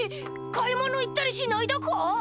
買い物行ったりしないだか？